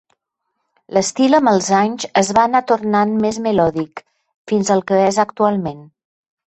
L'estil amb els anys es va anar tornant més melòdic fins al que és actualment.